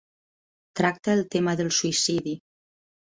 Tracta el tema del suïcidi.